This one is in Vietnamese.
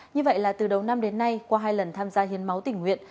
như vậy là từ đầu năm đến nay qua hai lần tham gia hiến máu tỉnh nguyện